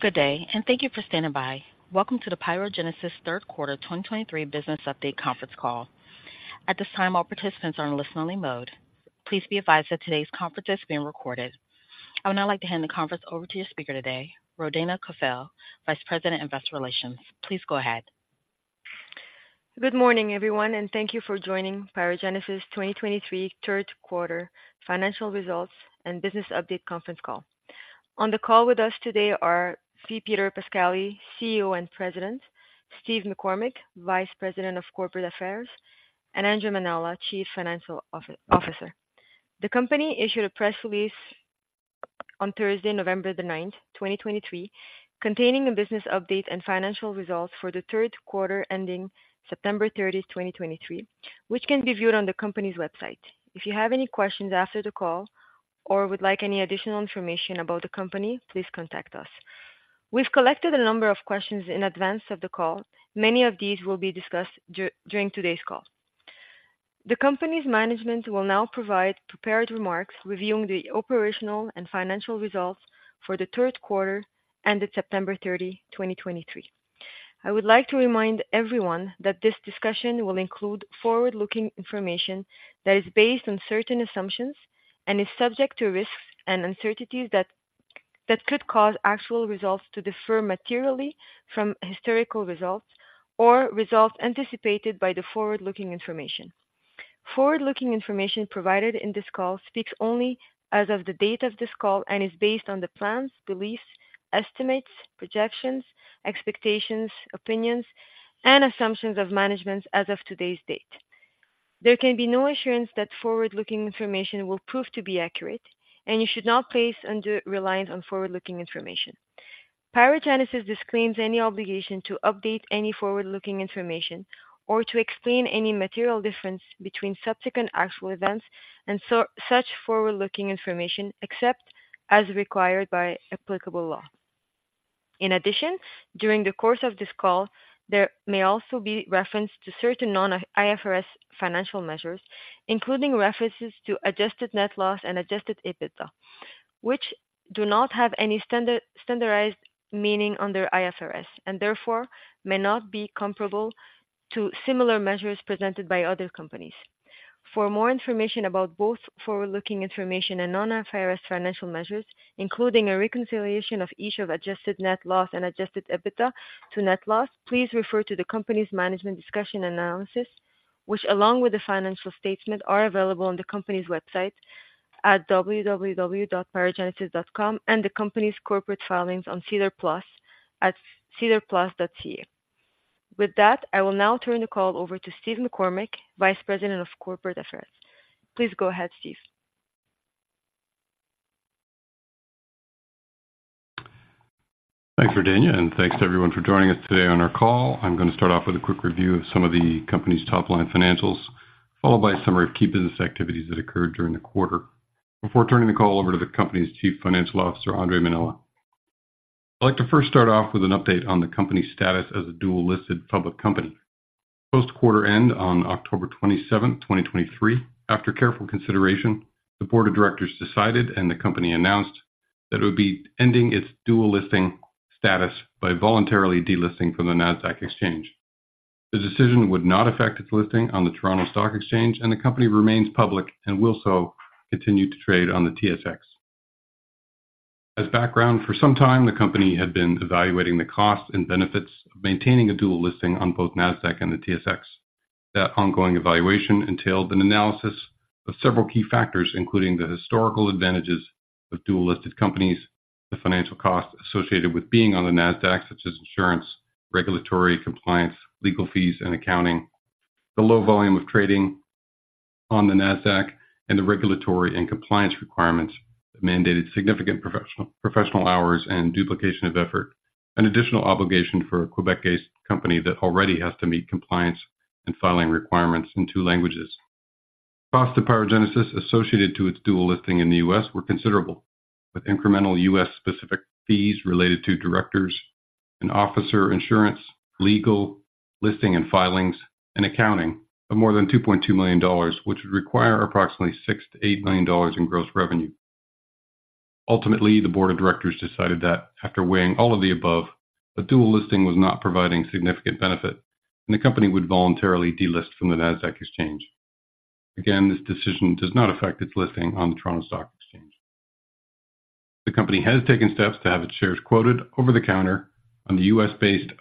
Good day, and thank you for standing by. Welcome to the PyroGenesis third quarter 2023 business update conference call. At this time, all participants are in listen-only mode. Please be advised that today's conference is being recorded. I would now like to hand the conference over to your speaker today, Rodayna Kafal, Vice President of Investor Relations. Please go ahead. Good morning, everyone, and thank you for joining PyroGenesis 2023 third quarter financial results and business update conference call. On the call with us today are P. Peter Pascali, CEO and President, Steve McCormick, Vice President of Corporate Affairs, and Andre Mainella, Chief Financial Officer. The company issued a press release on Thursday, November 9th, 2023, containing a business update and financial results for the third quarter ending September 30th, 2023, which can be viewed on the company's website. If you have any questions after the call or would like any additional information about the company, please contact us. We've collected a number of questions in advance of the call. Many of these will be discussed during today's call. The company's management will now provide prepared remarks reviewing the operational and financial results for the third quarter ended September 30th, 2023. I would like to remind everyone that this discussion will include forward-looking information that is based on certain assumptions and is subject to risks and uncertainties that could cause actual results to differ materially from historical results or results anticipated by the forward-looking information. Forward-looking information provided in this call speaks only as of the date of this call and is based on the plans, beliefs, estimates, projections, expectations, opinions, and assumptions of management as of today's date. There can be no assurance that forward-looking information will prove to be accurate, and you should not place undue reliance on forward-looking information. PyroGenesis disclaims any obligation to update any forward-looking information or to explain any material difference between subsequent actual events and such forward-looking information, except as required by applicable law. In addition, during the course of this call, there may also be reference to certain non-IFRS financial measures, including references to Adjusted Net Loss and Adjusted EBITDA, which do not have any standardized meaning under IFRS, and therefore may not be comparable to similar measures presented by other companies. For more information about both forward-looking information and non-IFRS financial measures, including a reconciliation of each of Adjusted Net Loss and Adjusted EBITDA to net loss, please refer to the company's management discussion and analysis, which, along with the financial statements, are available on the company's website at www.pyrogenesis.com and the company's corporate filings on SEDAR+ at sedarplus.ca. With that, I will now turn the call over to Steve McCormick, Vice President of Corporate Affairs. Please go ahead, Steve. Thanks, Rodayna, and thanks to everyone for joining us today on our call. I'm going to start off with a quick review of some of the company's top-line financials, followed by a summary of key business activities that occurred during the quarter, before turning the call over to the company's Chief Financial Officer, Andre Mainella. I'd like to first start off with an update on the company's status as a dual-listed public company. Post quarter end on October 27th, 2023, after careful consideration, the board of directors decided, and the company announced, that it would be ending its dual listing status by voluntarily delisting from the Nasdaq Exchange. The decision would not affect its listing on the Toronto Stock Exchange, and the company remains public and will so continue to trade on the TSX. As background, for some time, the company had been evaluating the costs and benefits of maintaining a dual listing on both Nasdaq and the TSX. That ongoing evaluation entailed an analysis of several key factors, including the historical advantages of dual-listed companies, the financial costs associated with being on the Nasdaq, such as insurance, regulatory compliance, legal fees, and accounting. The low volume of trading on the Nasdaq and the regulatory and compliance requirements mandated significant professional hours and duplication of effort, an additional obligation for a Québec-based company that already has to meet compliance and filing requirements in two languages. Costs to PyroGenesis associated to its dual listing in the U.S. were considerable, with incremental U.S.-specific fees related to Directors and Officers insurance, legal, listing and filings, and accounting of more than $2.2 million, which would require approximately $6 million-$8 million in gross revenue. Ultimately, the board of directors decided that after weighing all of the above, the dual listing was not providing significant benefit, and the company would voluntarily delist from the Nasdaq Exchange. Again, this decision does not affect its listing on the Toronto Stock Exchange. The company has taken steps to have its shares quoted over-the-counter on the U.S.-based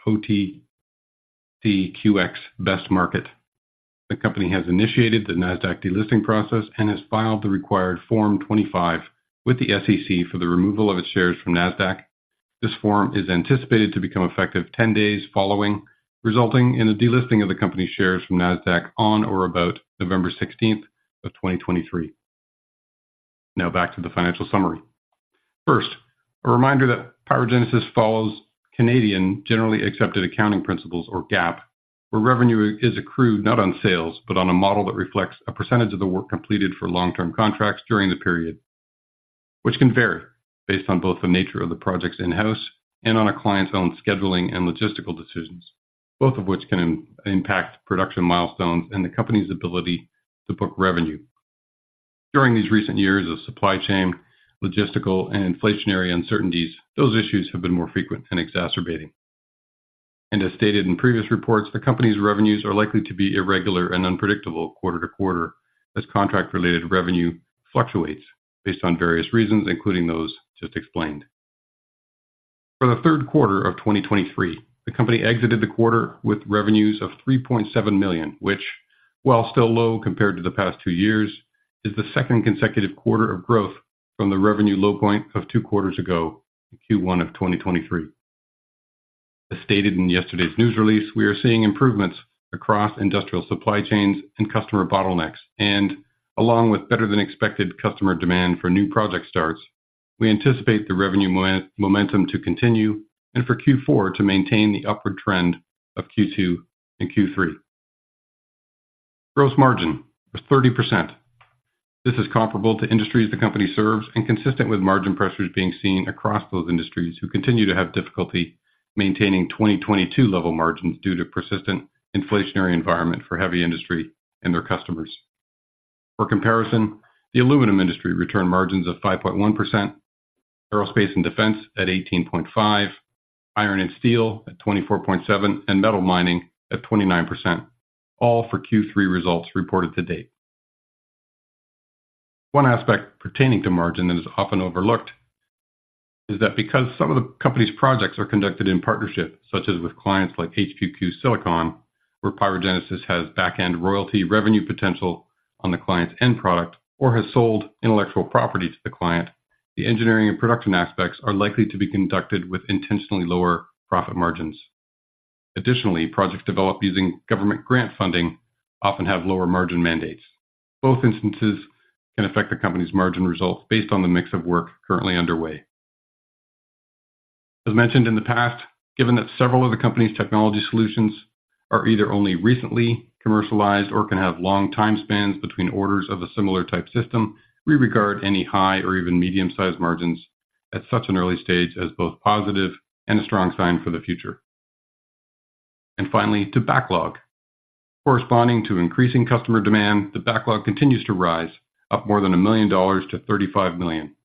OTCQX Best Market. The company has initiated the Nasdaq delisting process and has filed the required Form 25 with the SEC for the removal of its shares from Nasdaq. This form is anticipated to become effective 10 days following, resulting in a delisting of the company's shares from Nasdaq on or about November 16th, 2023. Now, back to the financial summary. First, a reminder that PyroGenesis follows Canadian generally accepted accounting principles, or GAAP, where revenue is accrued not on sales, but on a model that reflects a percentage of the work completed for long-term contracts during the period, which can vary based on both the nature of the projects in-house and on a client's own scheduling and logistical decisions, both of which can impact production milestones and the company's ability to book revenue. During these recent years of supply chain, logistical, and inflationary uncertainties, those issues have been more frequent and exacerbating. As stated in previous reports, the company's revenues are likely to be irregular and unpredictable quarter to quarter, as contract-related revenue fluctuates based on various reasons, including those just explained. For the third quarter of 2023, the company exited the quarter with revenues of 3.7 million, which, while still low compared to the past two years, is the second consecutive quarter of growth from the revenue low point of two quarters ago in Q1 of 2023. As stated in yesterday's news release, we are seeing improvements across industrial supply chains and customer bottlenecks, and along with better than expected customer demand for new project starts, we anticipate the revenue momentum to continue and for Q4 to maintain the upward trend of Q2 and Q3. Gross margin was 30%. This is comparable to industries the company serves and consistent with margin pressures being seen across those industries who continue to have difficulty maintaining 2022 level margins due to persistent inflationary environment for heavy industry and their customers. For comparison, the aluminum industry returned margins of 5.1%, aerospace and defense at 18.5%, iron and steel at 24.7%, and metal mining at 29%, all for Q3 results reported to date. One aspect pertaining to margin that is often overlooked is that because some of the company's projects are conducted in partnership, such as with clients like HPQ Silicon, where PyroGenesis has back-end royalty revenue potential on the client's end product or has sold intellectual property to the client, the engineering and production aspects are likely to be conducted with intentionally lower profit margins. Additionally, projects developed using government grant funding often have lower margin mandates. Both instances can affect the company's margin results based on the mix of work currently underway. As mentioned in the past, given that several of the company's technology solutions are either only recently commercialized or can have long time spans between orders of a similar type system, we regard any high or even medium-sized margins at such an early stage as both positive and a strong sign for the future. Finally, to backlog. Corresponding to increasing customer demand, the backlog continues to rise, up more than 1 million dollars to 35 million.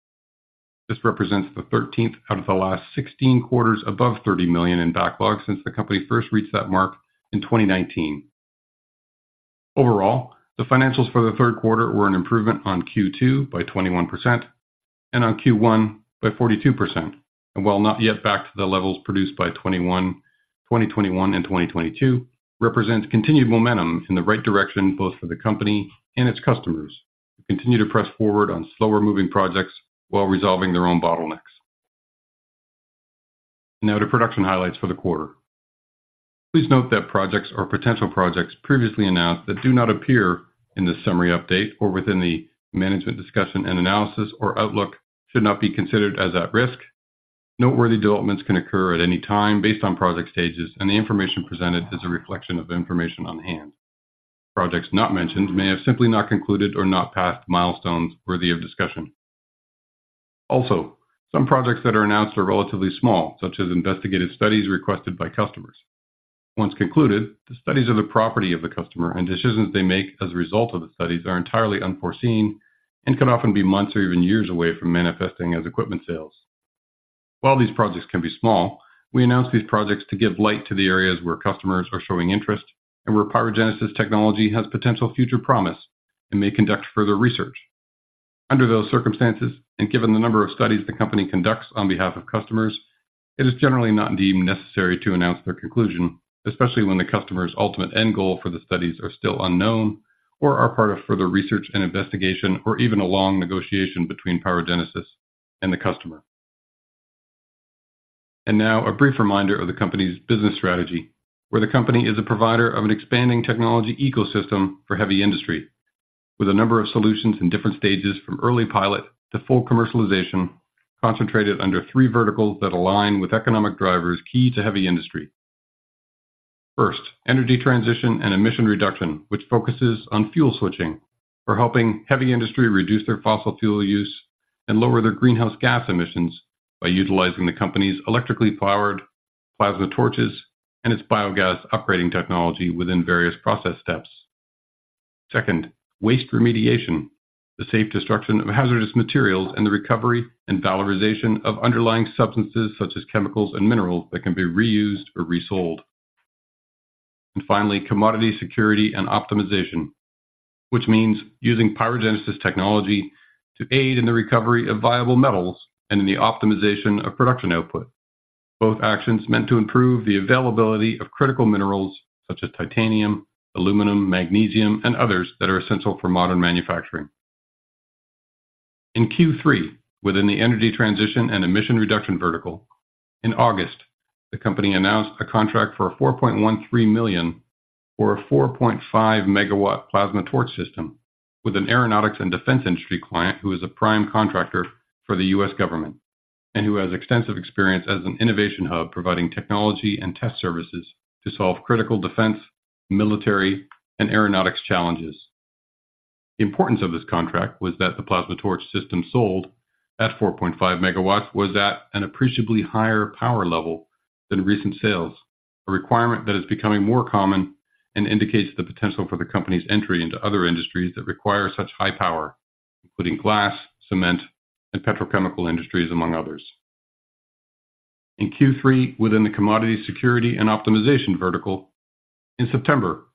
This represents the 13th out of the last 16 quarters above 30 million in backlog since the company first reached that mark in 2019. Overall, the financials for the third quarter were an improvement on Q2 by 21% and on Q1 by 42%. And while not yet back to the levels produced by 2021, 2021 and 2022, represents continued momentum in the right direction, both for the company and its customers, who continue to press forward on slower moving projects while resolving their own bottlenecks. Now to production highlights for the quarter. Please note that projects or potential projects previously announced that do not appear in this summary update or within the management discussion and analysis or outlook, should not be considered as at risk. Noteworthy developments can occur at any time based on project stages, and the information presented is a reflection of the information on hand. Projects not mentioned may have simply not concluded or not passed milestones worthy of discussion. Also, some projects that are announced are relatively small, such as investigative studies requested by customers. Once concluded, the studies are the property of the customer, and decisions they make as a result of the studies are entirely unforeseen and can often be months or even years away from manifesting as equipment sales. While these projects can be small, we announce these projects to give light to the areas where customers are showing interest and where PyroGenesis technology has potential future promise and may conduct further research. Under those circumstances, and given the number of studies the company conducts on behalf of customers, it is generally not deemed necessary to announce their conclusion, especially when the customer's ultimate end goal for the studies are still unknown or are part of further research and investigation, or even a long negotiation between PyroGenesis and the customer. Now a brief reminder of the company's business strategy, where the company is a provider of an expanding technology ecosystem for heavy industry, with a number of solutions in different stages from early pilot to full commercialization, concentrated under three verticals that align with economic drivers key to heavy industry. First, energy transition and emission reduction, which focuses on fuel switching or helping heavy industry reduce their fossil fuel use and lower their greenhouse gas emissions by utilizing the company's electrically powered plasma torches and its biogas upgrading technology within various process steps. Second, waste remediation, the safe destruction of hazardous materials, and the recovery and valorization of underlying substances such as chemicals and minerals that can be reused or resold. Finally, commodity security and optimization, which means using PyroGenesis technology to aid in the recovery of viable metals and in the optimization of production output. Both actions meant to improve the availability of critical minerals such as titanium, aluminum, magnesium, and others that are essential for modern manufacturing. In Q3, within the energy transition and emission reduction vertical, in August, the company announced a contract for a $4.13 million or a 4.5 MW plasma torch system with an aeronautics and defense industry client who is a prime contractor for the U.S. government, and who has extensive experience as an innovation hub, providing technology and test services to solve critical defense, military, and aeronautics challenges. The importance of this contract was that the plasma torch system sold at 4.5 MW was at an appreciably higher power level than recent sales. a requirement that is becoming more common and indicates the potential for the company's entry into other industries that require such high power, including glass, cement, and petrochemical industries, among others. In Q3, within the commodity security and optimization vertical, in September,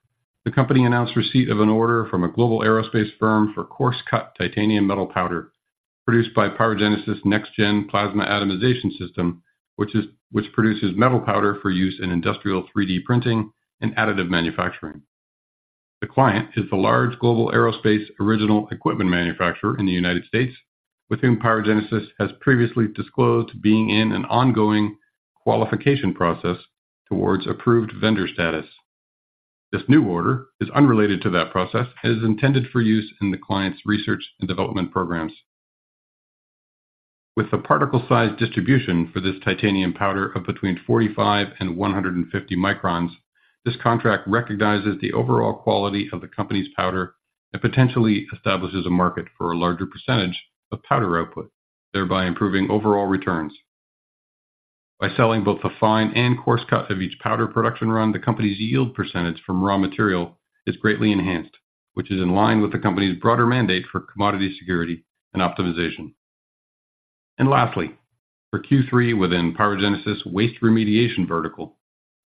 the company announced receipt of an order from a global aerospace firm for coarse cut titanium metal powder, produced by PyroGenesis NexGen Plasma Atomization System, which produces metal powder for use in industrial 3D printing and additive manufacturing. The client is the large global aerospace original equipment manufacturer in the United States, with whom PyroGenesis has previously disclosed being in an ongoing qualification process towards approved vendor status. This new order is unrelated to that process and is intended for use in the client's research and development programs. With the particle size distribution for this titanium powder of between 45 and 150 microns, this contract recognizes the overall quality of the company's powder and potentially establishes a market for a larger percentage of powder output, thereby improving overall returns. By selling both the fine and coarse cut of each powder production run, the company's yield percentage from raw material is greatly enhanced, which is in line with the company's broader mandate for commodity security and optimization. And lastly, for Q3 within PyroGenesis waste remediation vertical,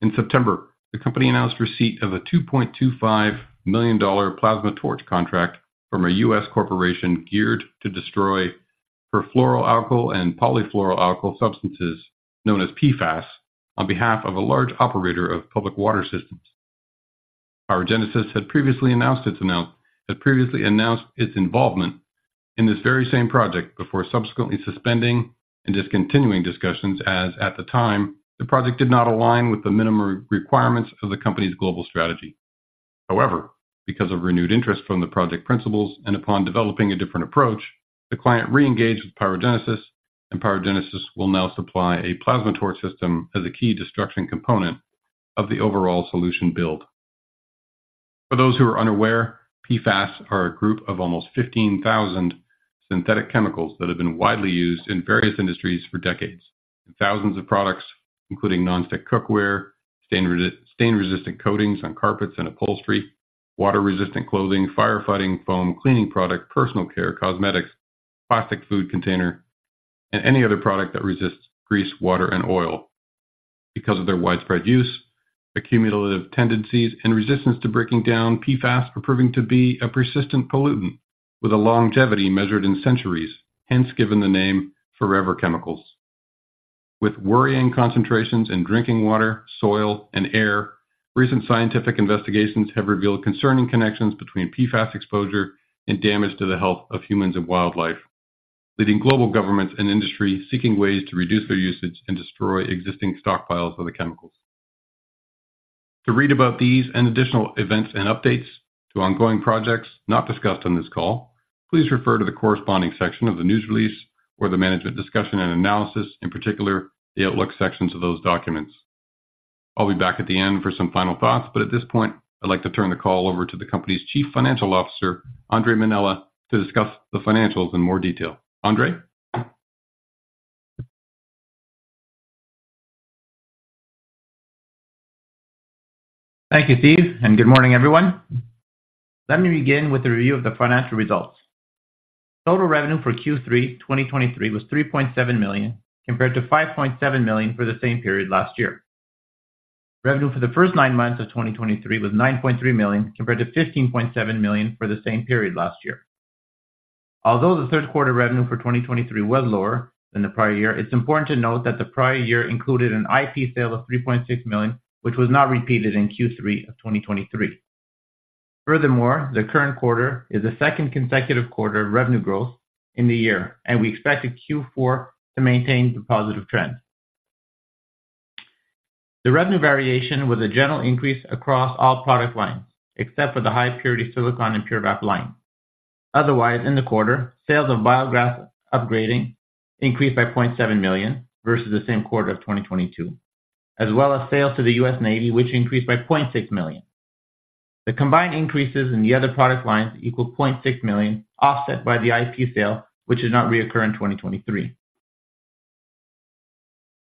in September, the company announced receipt of a $2.25 million plasma torch contract from a U.S. corporation geared to destroy perfluoroalkyl and polyfluoroalkyl substances, known as PFAS, on behalf of a large operator of public water systems. PyroGenesis had previously announced its involvement in this very same project before subsequently suspending and discontinuing discussions, as at the time, the project did not align with the minimum requirements of the company's global strategy. However, because of renewed interest from the project principals and upon developing a different approach, the client reengaged with PyroGenesis, and PyroGenesis will now supply a plasma torch system as a key destruction component of the overall solution build. For those who are unaware, PFAS are a group of almost 15,000 synthetic chemicals that have been widely used in various industries for decades. Thousands of products, including non-stick cookware, stain-resistant coatings on carpets and upholstery, water-resistant clothing, firefighting foam, cleaning product, personal care, cosmetics, plastic food container, and any other product that resists grease, water, and oil. Because of their widespread use, accumulative tendencies and resistance to breaking down, PFAS are proving to be a persistent pollutant with a longevity measured in centuries, hence given the name forever chemicals. With worrying concentrations in drinking water, soil, and air, recent scientific investigations have revealed concerning connections between PFAS exposure and damage to the health of humans and wildlife, leading global governments and industry seeking ways to reduce their usage and destroy existing stockpiles of the chemicals. To read about these and additional events and updates to ongoing projects not discussed on this call, please refer to the corresponding section of the news release or the management discussion and analysis, in particular, the outlook sections of those documents. I'll be back at the end for some final thoughts, but at this point, I'd like to turn the call over to the company's Chief Financial Officer, Andre Mainella, to discuss the financials in more detail. Andre? Thank you, Steve, and good morning, everyone. Let me begin with a review of the financial results. Total revenue for Q3 2023 was 3.7 million, compared to 5.7 million for the same period last year. Revenue for the first nine months of 2023 was 9.3 million, compared to 15.7 million for the same period last year. Although the third quarter revenue for 2023 was lower than the prior year, it's important to note that the prior year included an IP sale of 3.6 million, which was not repeated in Q3 of 2023. Furthermore, the current quarter is the second consecutive quarter of revenue growth in the year, and we expect the Q4 to maintain the positive trend. The revenue variation was a general increase across all product lines, except for the high purity silicon and PUREVAP line. Otherwise, in the quarter, sales of biogas upgrading increased by 0.7 million versus the same quarter of 2022, as well as sales to the U.S. Navy, which increased by 0.6 million. The combined increases in the other product lines equal 0.6 million, offset by the IP sale, which does not reoccur in 2023.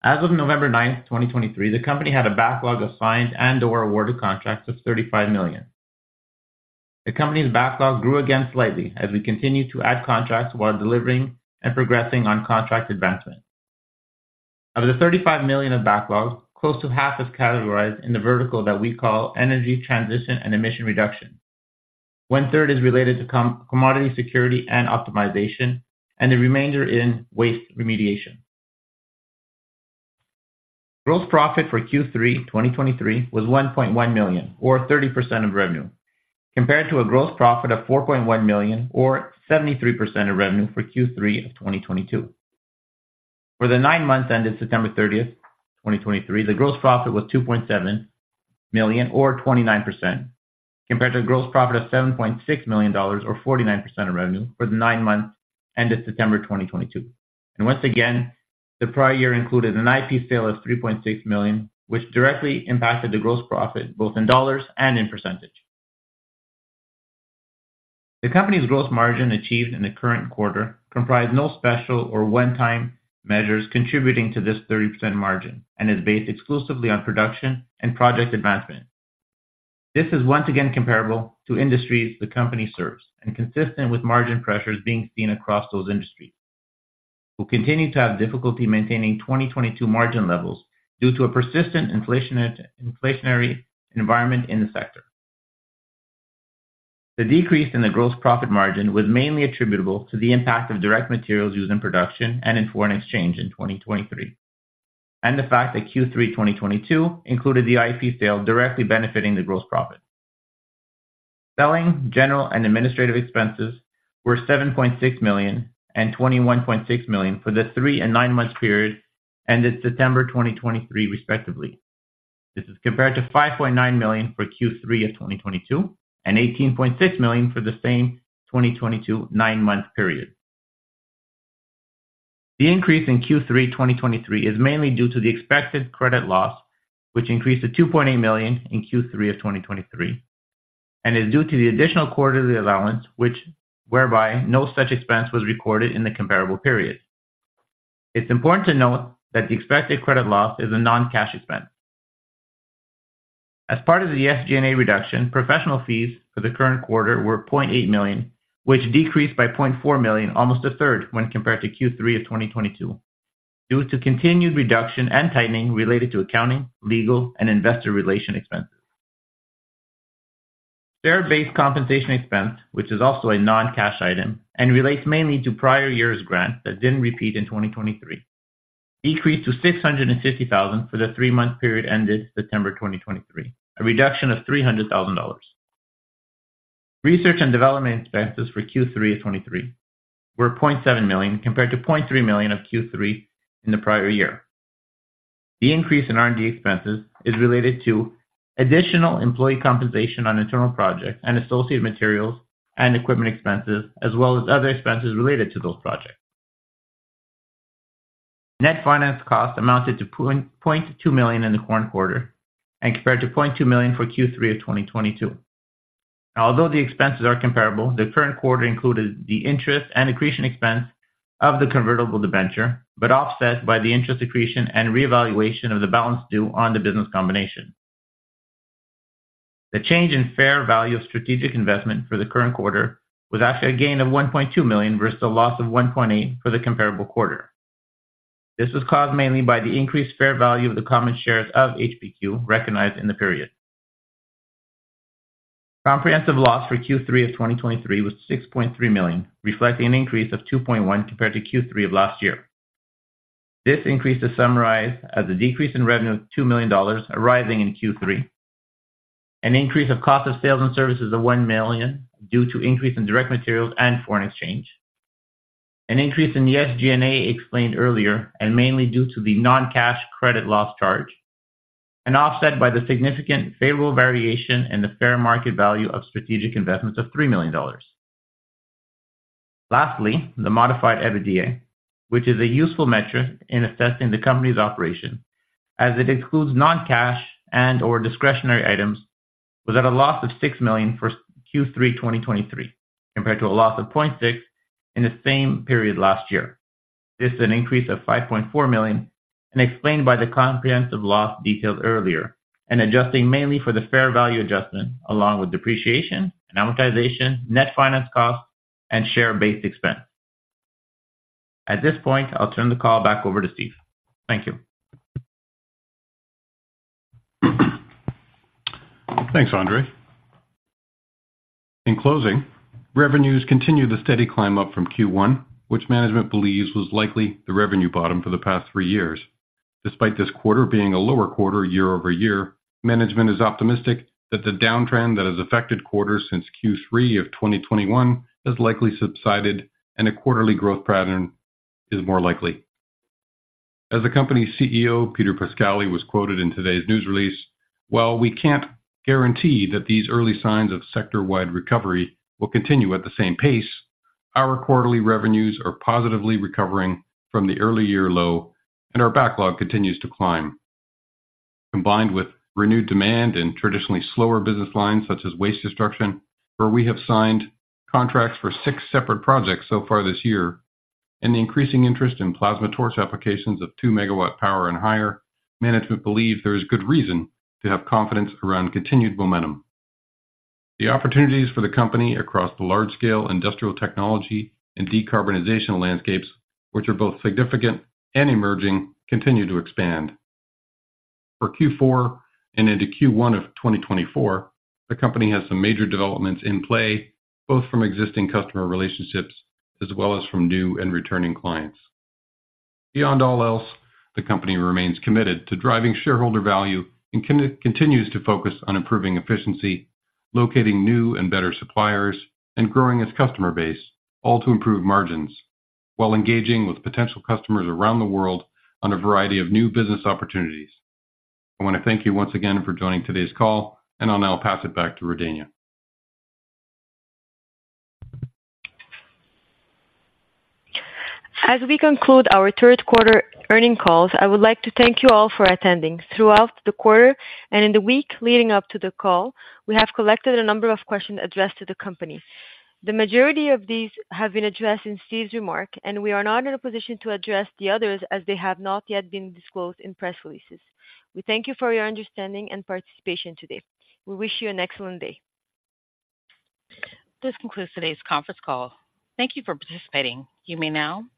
As of November 9th, 2023, the company had a backlog of signed and/or awarded contracts of 35 million. The company's backlog grew again slightly as we continue to add contracts while delivering and progressing on contract advancement. Of the 35 million of backlogs, close to half is categorized in the vertical that we call energy transition and emission reduction. One third is related to commodity security and optimization, and the remainder in waste remediation. Gross profit for Q3, 2023 was 1.1 million or 30% of revenue, compared to a gross profit of 4.1 million or 73% of revenue for Q3 of 2022. For the nine months ended September 30th, 2023, the gross profit was 2.7 million or 29%, compared to a gross profit of 7.6 million dollars or 49% of revenue for the nine months ended September 2022. And once again, the prior year included an IP sale of 3.6 million, which directly impacted the gross profit, both in dollars and in percentage. The company's gross margin achieved in the current quarter comprised no special or one-time measures contributing to this 30% margin, and is based exclusively on production and project advancement. This is once again comparable to industries the company serves, and consistent with margin pressures being seen across those industries, who continue to have difficulty maintaining 2022 margin levels due to a persistent inflation, inflationary environment in the sector. The decrease in the gross profit margin was mainly attributable to the impact of direct materials used in production and in foreign exchange in 2023, and the fact that Q3 2022 included the IP sale directly benefiting the gross profit. Selling, general, and administrative expenses were 7.6 million and 21.6 million for the 3- and 9-month period ended September 2023, respectively. This is compared to 5.9 million for Q3 of 2022, and 18.6 million for the same 2022 nine-month period. The increase in Q3 2023 is mainly due to the expected credit loss, which increased to 2.8 million in Q3 of 2023, and is due to the additional quarterly allowance, which whereby no such expense was recorded in the comparable period. It's important to note that the expected credit loss is a non-cash expense. As part of the SG&A reduction, professional fees for the current quarter were 0.8 million, which decreased by 0.4 million, almost a third, when compared to Q3 of 2022, due to continued reduction and tightening related to accounting, legal, and investor relation expenses. Share-based compensation expense, which is also a non-cash item and relates mainly to prior years' grant that didn't repeat in 2023, decreased to 650 thousand for the three-month period ended September 2023, a reduction of 300 thousand dollars. Research and development expenses for Q3 of 2023 were 0.7 million, compared to 0.3 million of Q3 in the prior year. The increase in R&D expenses is related to additional employee compensation on internal projects and associated materials and equipment expenses, as well as other expenses related to those projects. Net finance costs amounted to 0.2 million in the current quarter, and compared to 0.2 million for Q3 of 2022. Although the expenses are comparable, the current quarter included the interest and accretion expense of the convertible debenture, but offset by the interest accretion and reevaluation of the balance due on the business combination. The change in fair value of strategic investment for the current quarter was actually a gain of 1.2 million versus a loss of 1.8 million for the comparable quarter. This was caused mainly by the increased fair value of the common shares of HPQ recognized in the period. Comprehensive loss for Q3 of 2023 was 6.3 million, reflecting an increase of 2.1 million compared to Q3 of last year. This increase is summarized as a decrease in revenue of 2 million dollars arising in Q3, an increase of cost of sales and services of 1 million due to increase in direct materials and foreign exchange, an increase in the SG&A explained earlier and mainly due to the non-cash credit loss charge, and offset by the significant favorable variation in the fair market value of strategic investments of 3 million dollars. Lastly, the Modified EBITDA, which is a useful metric in assessing the company's operation, as it includes non-cash and/or discretionary items, was at a loss of 6 million for Q3 2023, compared to a loss of 0.6 million in the same period last year. This is an increase of 5.4 million and explained by the comprehensive loss detailed earlier and adjusting mainly for the fair value adjustment, along with depreciation and amortization, net finance costs, and share-based expense. At this point, I'll turn the call back over to Steve. Thank you. Thanks, Andre. In closing, revenues continue the steady climb up from Q1, which management believes was likely the revenue bottom for the past three years. Despite this quarter being a lower quarter year-over-year, management is optimistic that the downtrend that has affected quarters since Q3 of 2021 has likely subsided and a quarterly growth pattern is more likely. As the company's CEO, P. Peter Pascali, was quoted in today's news release, "While we can't guarantee that these early signs of sector-wide recovery will continue at the same pace, our quarterly revenues are positively recovering from the early year low, and our backlog continues to climb." Combined with renewed demand in traditionally slower business lines, such as waste destruction, where we have signed contracts for six separate projects so far this year, and the increasing interest in plasma torch applications of two megawatt power and higher, management believes there is good reason to have confidence around continued momentum. The opportunities for the company across the large scale industrial technology and decarbonization landscapes, which are both significant and emerging, continue to expand. For Q4 and into Q1 of 2024, the company has some major developments in play, both from existing customer relationships as well as from new and returning clients. Beyond all else, the company remains committed to driving shareholder value and continues to focus on improving efficiency, locating new and better suppliers, and growing its customer base, all to improve margins, while engaging with potential customers around the world on a variety of new business opportunities. I want to thank you once again for joining today's call, and I'll now pass it back to Rodayna. As we conclude our third quarter earnings call, I would like to thank you all for attending. Throughout the quarter and in the week leading up to the call, we have collected a number of questions addressed to the company. The majority of these have been addressed in Steve's remark, and we are not in a position to address the others as they have not yet been disclosed in press releases. We thank you for your understanding and participation today. We wish you an excellent day. This concludes today's conference call. Thank you for participating. You may now disconnect.